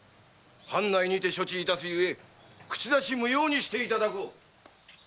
藩内にて処置いたすゆえ口出し無用にしていただこう！